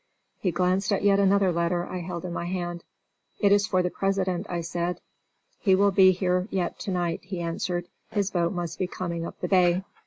He glanced at another letter I held in my hand. "It is for the President," I said. "He will be here yet to night," he answered. "His boat must now be coming up the bay."